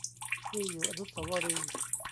นี่อยู่อนุสาวรีย์